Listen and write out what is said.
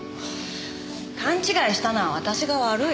勘違いしたのは私が悪い。